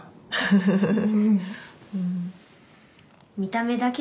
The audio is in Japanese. フフフフ。